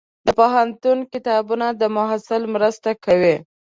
د پوهنتون کتابتون د محصل مرسته کوي.